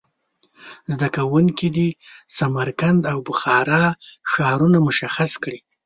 زده کوونکي دې سمرقند او بخارا ښارونه مشخص کړي.